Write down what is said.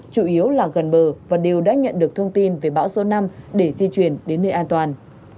chủ yếu là gần bờ và đều đã nhận được thông tin về bão số năm để di chuyển đến nơi an toàn